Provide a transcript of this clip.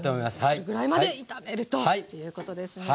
それぐらいまで炒めるということですね。